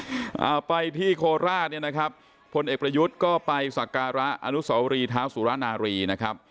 กลายที่โคลาสนี่นะครับพลเอกประยุทธ์ก็ไปสักการะอรุสวรีท้าวสุรนารีเหล่า